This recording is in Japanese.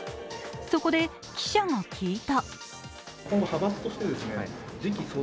そこで記者が聞いた。